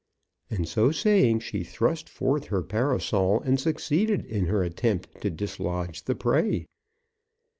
And so saying she thrust forth her parasol, and succeeded in her attempt to dislodge the prey.